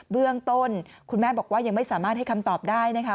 เบื้องต้นคุณแม่บอกว่ายังไม่สามารถให้คำตอบได้นะคะ